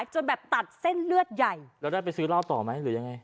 จนแบบตัดเส้นเลือดใหญ่แล้วได้ไปซื้อเหล้าต่อไหมหรือยังไง